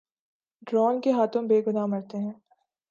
Drone کے ہاتھوں بے گناہ مرتے ہیں۔